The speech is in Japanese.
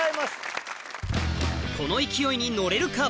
この勢いに乗れるか？